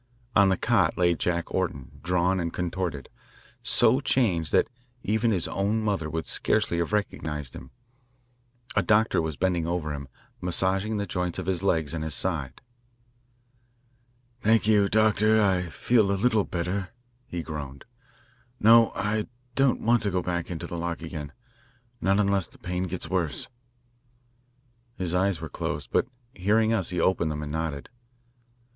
On the cot lay Jack Orton, drawn and contorted, so changed that even his own mother would scarcely have recognised him. A doctor was bending over him, massaging the joints of his legs and his side. "Thank you, Doctor, I feel a little better," he groaned. "No, I don't want to go back into the lock again, not unless the pain gets worse." His eyes were closed, but hearing us he opened them and nodded.